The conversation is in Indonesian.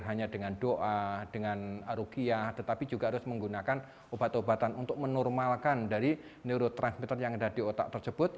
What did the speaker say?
hanya dengan doa dengan rukiah tetapi juga harus menggunakan obat obatan untuk menormalkan dari neurotransmitter yang ada di otak tersebut